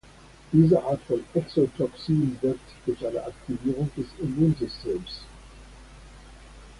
Diese Art von Exotoxin wirkt durch eine Aktivierung des Immunsystems.